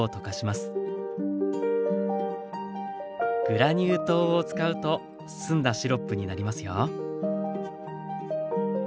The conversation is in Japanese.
グラニュー糖を使うと澄んだシロップになりますよ。